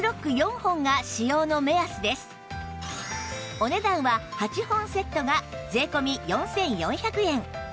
お値段は８本セットが税込４４００円